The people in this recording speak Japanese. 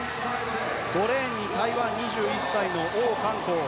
５レーンに台湾、２１歳のオウ・カンコウ。